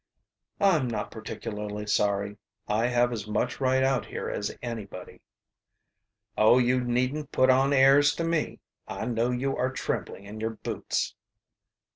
"I'm not particularly sorry. I have as much right out here as anybody." "Oh, you needn't put on airs to me. I know you are trembling in your boots."